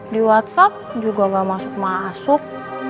di whatsapp juga gak masuk masuk